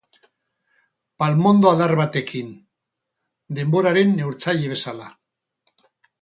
Palmondo adar batekin, denboraren neurtzaile bezala.